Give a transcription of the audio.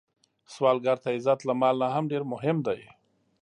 سوالګر ته عزت له مال نه ډېر مهم دی